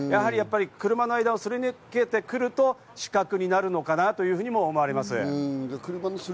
車の間をすり抜けてくると死角になるのかなというふうにも思われます。